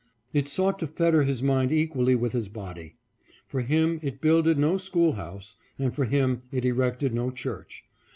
It sought to fetter his mind equally with his body. For him it builded no school house, and for him it erected no church.